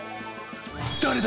誰だ？